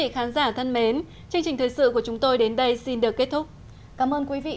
các bạn có thể nhớ like share và đăng ký địa chỉ